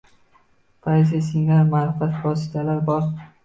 Poeziya singari ma’rifat vositalari bor.